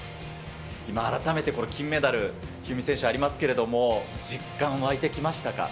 今、改めてこの金メダル、一二三選手、ありますけれども、実感、湧いてきましたか。